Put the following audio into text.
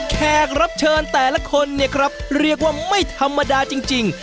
แขกรับเชิญแต่ละคนเนี่ยครับเรียกว่าไม่ธรรมดาจริง